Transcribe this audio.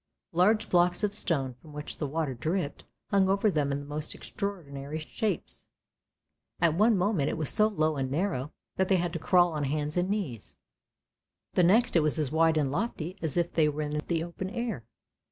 Large blocks of stone, from which the water dripped, hung over them in the most extraordinary shapes; at one moment it was so low and narrow that they had to crawl on hands and knees, the next it was as wide and lofty as if they were in the open air.